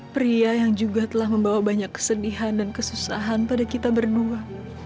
pria yang juga telah membawa banyak kesedihan dan kesusahan pada kita berdua